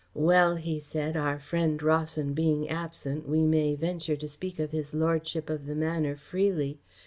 "Well," he said, "our friend Rawson being absent, we may venture to speak of his Lordship of the Manor freely.